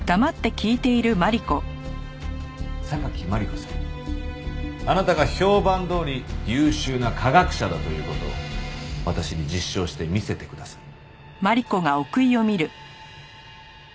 榊マリコさんあなたが評判どおり優秀な科学者だという事を私に実証してみせてください。